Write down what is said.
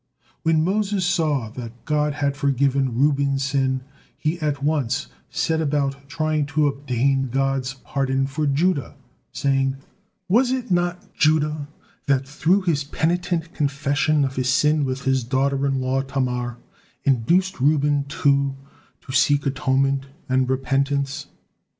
When Moses saw that God had forgiven Reuben's sin, he at once set about trying to obtain God's pardon for Judah, saying, "Was it not Judah that through his penitent confession of his sin with his daughter in law Tamar induced Reuben, too, to seek atonement and repentance!"